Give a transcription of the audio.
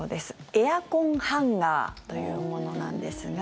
エアコンハンガーというものなんですが